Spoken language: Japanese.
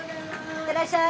行ってらっしゃい。